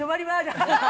ハハハハ！